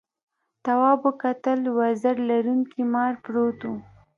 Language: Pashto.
تواب وکتل وزر لرونکي مار پروت و.